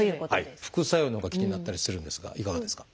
副作用のほうが気になったりするんですがいかがですか？